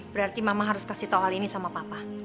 berarti mama harus kasih tahu hal ini sama papa